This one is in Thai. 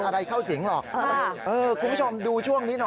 เดื่อยกว่าสอนอีกแดกหายใจไม่ทัน